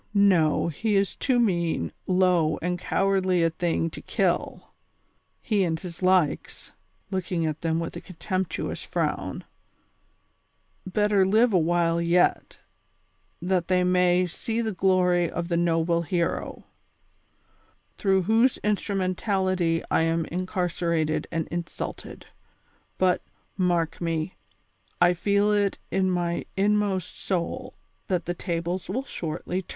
no, he is too mean, low and cowardly a thing to kill. He and his likes "—looking at them with a con temptuous frown—" better live a while yet, that tliey may see the glory of the noble hero, through whose instrumen tality I am incarcerated and insulted ; but, mark me, I feel it in my inmost soul that the tables will shortly turn.